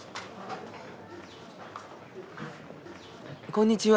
こんにちは。